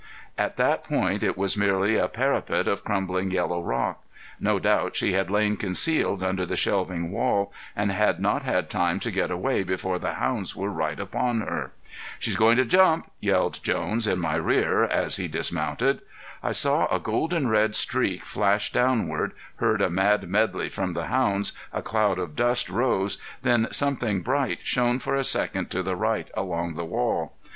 At that point it was merely a parapet of crumbling yellow rock. No doubt she had lain concealed under the shelving wall and had not had time to get away before the hounds were right upon her. "She's going to jump," yelled Jones, in my rear, as he dismounted. I saw a golden red streak flash downward, heard a mad medley from the hounds, a cloud of dust rose, then something bright shone for a second to the right along the wall.